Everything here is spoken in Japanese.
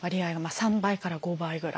３倍から５倍ぐらい。